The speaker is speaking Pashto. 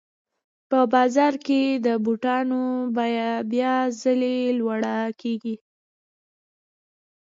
په بازار کې د بوټانو بیه بیا ځلي لوړه کېږي